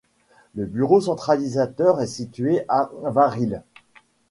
Le bureau centralisateur est situé à Varilhes.